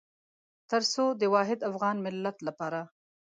تر څو د واحد افغان ملت لپاره.